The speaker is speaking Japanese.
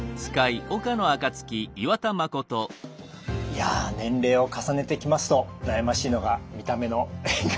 いや年齢を重ねてきますと悩ましいのが見た目の変化ですね。